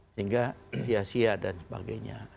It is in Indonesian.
sehingga sia sia dan sebagainya